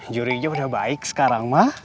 jurinya udah baik sekarang mah